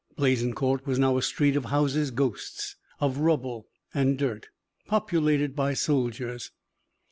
Blaisencourt was now a street of houses' ghosts, of rubble and dirt, populated by soldiers.